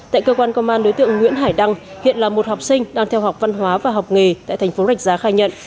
tại cơ quan công an đối tượng nguyễn hải đăng hiện là một học sinh đang theo học văn hóa và học nghề tại thành phố rạch giá khai nhận